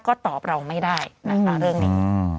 ก็ตอบเราไม่ได้นะคะเรื่องนี้